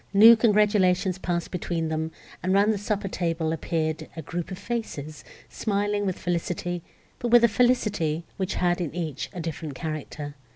New congratulations passed between them, and round the supper table appeared a group of faces, smiling with felicity, but with a felicity, which had in each a different character.